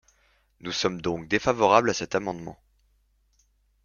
Nous sommes donc défavorables à cet amendement.